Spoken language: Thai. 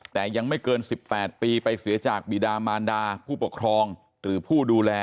แต่ยังไม่เกิน๑๘ปีไปเสียจากบีดามารดาผู้ปกครองหรือผู้ดูแล